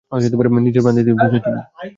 নিজের প্রাণ দিতে প্রস্তুত উনি।